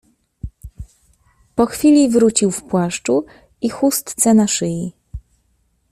"Po chwili wrócił w płaszczu i chustce na szyi."